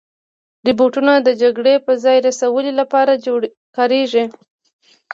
روبوټونه د جګړې په ځای د سولې لپاره کارېږي.